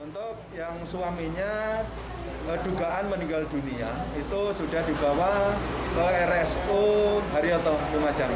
untuk yang suaminya dugaan meninggal dunia itu sudah dibawa ke rsu haryoto lumajang